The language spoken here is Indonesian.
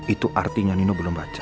itu artinya nino belum baca